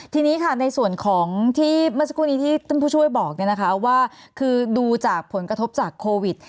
ทีนี้ค่ะในส่วนของที่เมื่อสักครู่นี้ที่ท่านผู้ช่วยบอกว่าคือดูจากผลกระทบจากโควิด